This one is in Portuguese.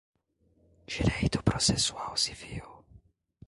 Direito processual civil